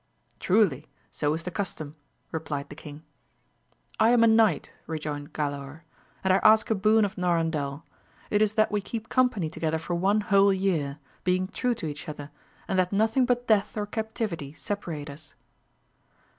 Truly so is the custom, replied the king. I am a knight, rejoined Galaor, and I ask a boon of Norandel : it is that we keep company together for one whole year, being true to each other, and that nothing but death or captivity separate us.